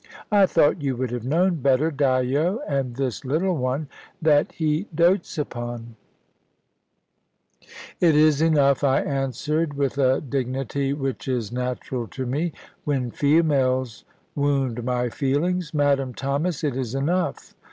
I thought you would have known better, Dyo. And this little one, that he dotes upon " "It is enough," I answered, with a dignity which is natural to me, when females wound my feelings; "Madame Thomas, it is enough.